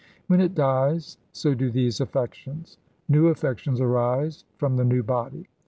When it dies, so do these affections. New affections arise from the new body.